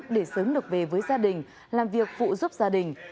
để sớm được về với gia đình làm việc phụ giúp gia đình